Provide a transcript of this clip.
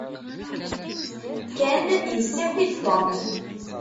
Ken yessaki-d Tom.